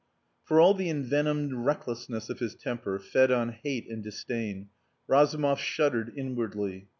For all the envenomed recklessness of his temper, fed on hate and disdain, Razumov shuddered inwardly.